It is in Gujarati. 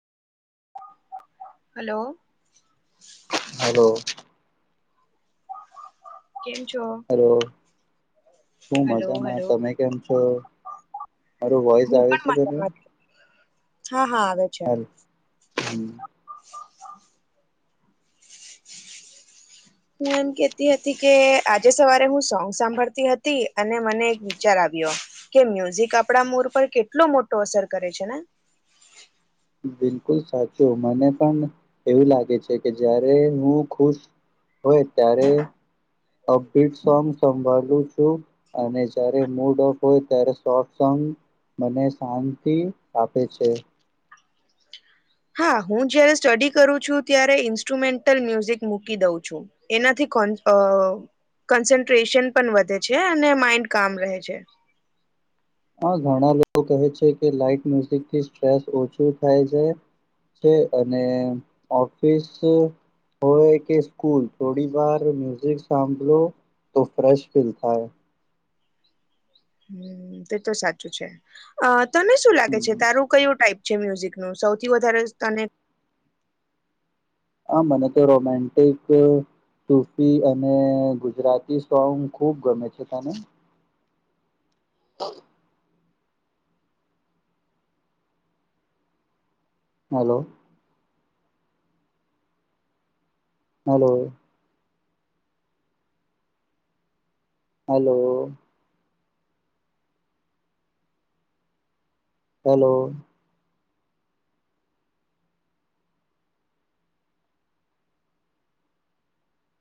હલો હલો કેમ છો હું હલો મજામાં હલો તમે કેમ છો મારું વોઈસ હું આવે પણ છે તને મજામાં છું. હા હા આવે છે. હમ્મ હું એમ કેતી હતી કે આજે સવારે હું સોંગ સાંભળતી હતી અને મને એક વિચાર આવ્યો કે મ્યુઝિક આપડા મોર પર કેટલો મોટો અસર કરે છે ને બિલકુલ સાચું મને પણ એવું લાગે છે કે જયારે હું ખુશ હોય ત્યારે અીટ સોંગ સંભાળું છું. અને જય્યારે મૂડ ઓફ હોય ત્યારે સોફ્ટ સોંગ મને શાંતિ આપે છે. હા હું જયારે સ્ટડી કરું છું ત્યારે ઈન્સ્ટ્રુમેન્ટલ મ્યુઝિક મૂકી દઉં છું. એનાથી કોન અ કન્સન્ટ્રેશન પણ વધે છે અને માઈન્ડ કામ રહે છે. આ ઘણા લોકો કહે છે કે લાઈટ મ્યુઝિક થી સ્ટ્રેસ ઓછું થાય છે. છે અને ઓફિસ હોય કે સ્કૂલ થોડી વાર મ્યુઝિક સાંભળો તો ફ્રેેશ ફીલ થાય હમ્મ તે તો સાચું છે અ તને શું લાગે છે હમ. તારું કયું ટાઈપ છે મ્યુઝિક નું સૌથી વધારે તને. હા મને તો રોમેન્ટિક ટુફી અને ગુજરાતી સોંગ ખૂબ ગમે છે તને. તો હલો હલો હલો હેલો